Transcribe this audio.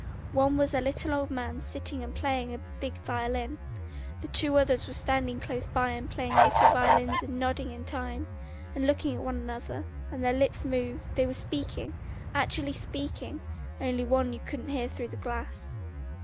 One was a little old man sitting and playing a big violin, the two others were standing close by and playing little violins and nodding in time, and looking at one another, and their lips moved, they were speaking, actually speaking, only one couldn't hear through the glass.